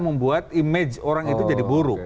membuat image orang itu jadi buruk